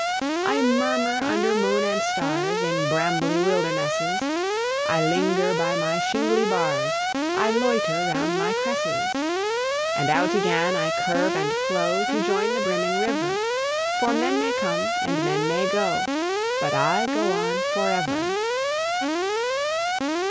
I murmur under moon and stars In brambly wildernesses; I linger by my shingly bars; I loiter round my cresses. And out again I curve and flow To join the brimming river; For men may come and men may go, But I go on forever.